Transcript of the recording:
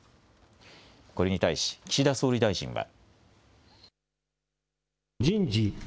これに対し岸田総理大臣は。